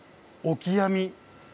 オキアミ。